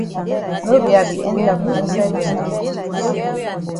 No be I be enter for inside dia haus.